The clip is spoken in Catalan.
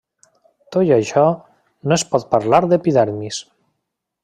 Tot i això, no es pot parlar d'epidermis.